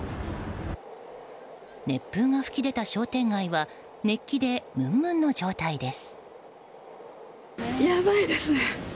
熱風が吹き出た商店街は熱気でムンムンの状態です。